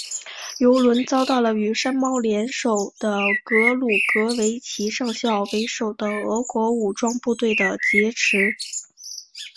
油轮遭到了与山猫联手的格鲁格维奇上校为首的俄国武装部队的劫持。